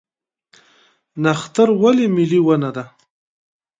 نښتر ولې ملي ونه ده؟